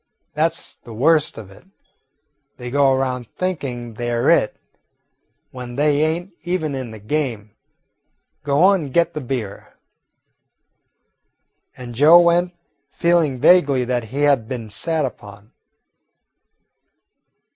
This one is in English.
That 's the worst of it. They go around thinking they 're it, when they ain't even in the game. Go on and get the beer." And Joe went, feeling vaguely that he had been sat upon.